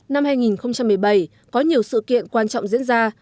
năm hai nghìn một mươi bảy có nhiều sự kiện quan trọng diễn ra